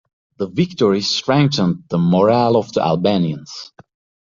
The victory strengthened the morale of the Albanians.